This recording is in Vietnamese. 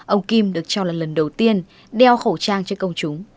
ông kim được cho là lần đầu tiên đeo khẩu trang cho công chúng